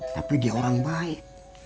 tapi dia orang baik